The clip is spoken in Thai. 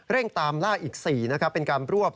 เร่งตามล่าอีก๔เป็นการรวบ